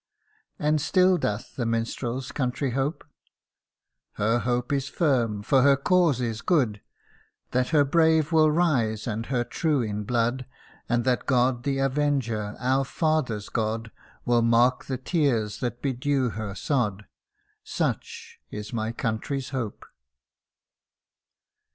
And still doth the minstrel's country hope ? Her hope is firm, for her cause is good That her brave will rise, and her true in blood ; And that God the avenger, our fathers' God, Will mark the tears that bedew her sod Such is my country's hope